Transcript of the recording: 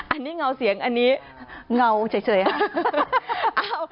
อันนี้เงาเสียงอันนี้เงาเฉยค่ะ